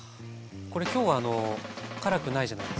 これ今日は辛くないじゃないですか。